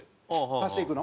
足していくの？